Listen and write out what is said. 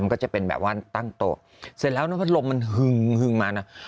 ก็จะเป็นแบบว่าตั้งโต๊ะเสร็จแล้วน้ำพัดลมมันหึงมานะ